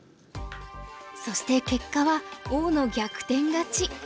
そして結果は王の逆転勝ち。